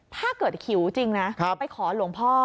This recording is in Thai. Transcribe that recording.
ถ้าเกิดหิวจริงนะไปขอหลวงพ่อ